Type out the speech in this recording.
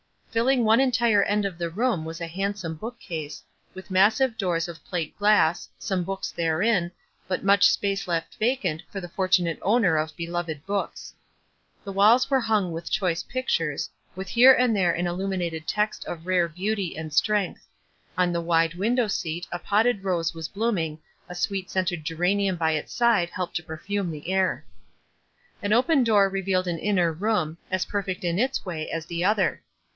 Filling one entire end of the room was a handsome bookcase, with massive doors of plate glass, some books therein, but much space left vacant for the fortunate owner of be loved books. The walls were hung with choice pictures, with here and there an illuminated text of rare beauty and strength ; on the wide win dow seat a potted rose was blooming, a sweet scented geranium by its side helped to perfume the air. An open door revealed an inner room, as perfect in its way as the other.